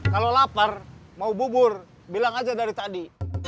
kalau lapar mau bubur bilang aja dari tadi